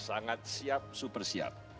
sangat siap super siap